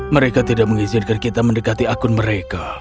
mereka tidak mengizinkan kita mendekati akun mereka